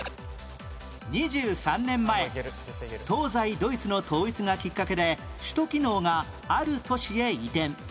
２３年前東西ドイツの統一がきっかけで首都機能がある都市へ移転